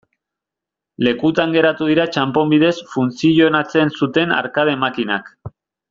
Lekutan geratu dira txanpon bidez funtzionatzen zuten arkade makinak.